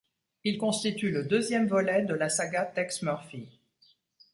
Il constitue le deuxième volet de la saga Tex Murphy.